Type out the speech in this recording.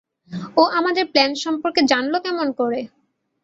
ও আমাদের প্ল্যান সম্পর্কে জানলো কেমন করে?